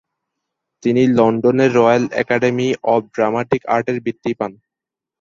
তিনি লন্ডনের royal academy of dramatic আর্টের বৃত্তি পান।